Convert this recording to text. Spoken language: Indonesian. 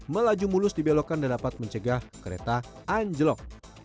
melaju mulus dibelokkan dan dapat mencegah kereta anjlok